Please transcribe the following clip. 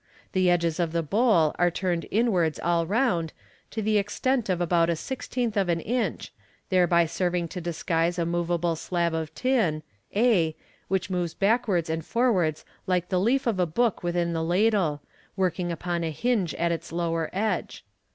The edges of the bowl are turned inwards all round to the extent of about a sixteenth of an inch, thereby serving to disguise a moveable slab of tin, a, which moves backwards and forwards like the leaf of a book within the ladle, working upon a hinge at its lower edge.